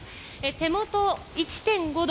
手元、１．５度。